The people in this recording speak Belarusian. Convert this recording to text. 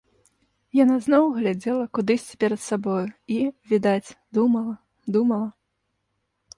Яна зноў глядзела кудысьці перад сабою і, відаць, думала, думала.